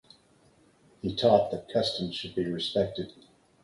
He taught that customs should be respected.